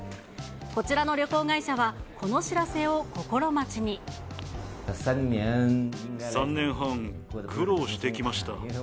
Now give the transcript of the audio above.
こちらの旅行会社は、３年半、苦労してきました。